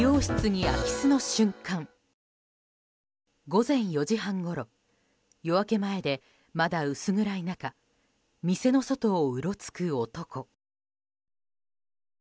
午前４時半ごろ夜明け前でまだ薄暗い中店の外をうろつく男。